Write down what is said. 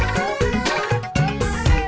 tasik tasik tasik